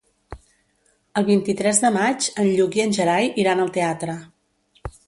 El vint-i-tres de maig en Lluc i en Gerai iran al teatre.